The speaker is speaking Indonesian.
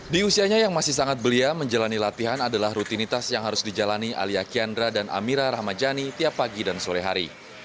di usianya yang masih sangat belia menjalani latihan adalah rutinitas yang harus dijalani alia kiandra dan amira rahmajani tiap pagi dan sore hari